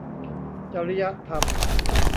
จริยธรรม